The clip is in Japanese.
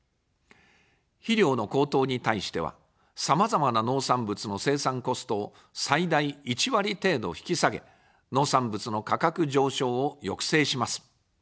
肥料の高騰に対しては、さまざまな農産物の生産コストを最大１割程度引き下げ、農産物の価格上昇を抑制します。